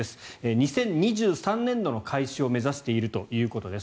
２０２３年度の開始を目指しているということです。